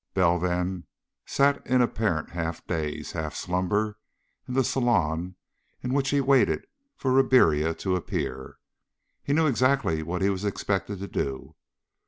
Bell then, sat in an apparent half daze, half slumber, in the salon in which he waited for Ribiera to appear. He knew exactly what he was expected to do.